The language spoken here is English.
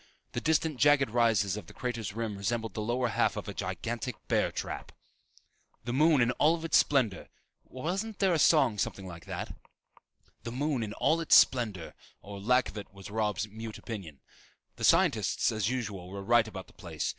The distant jagged rises of the crater's rim resembled the lower half of a gigantic bear trap. The moon in all its splendor wasn't there a song that went something like that? the moon in all its splendor, or lack of it was Robb's mute opinion. The scientists, as usual, were right about the place.